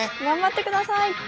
頑張ってください！